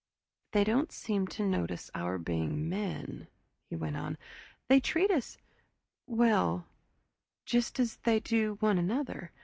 "They don't seem to notice our being men," he went on. "They treat us well just as they do one another.